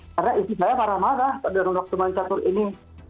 karena istri saya marah marah pada waktu main satu ini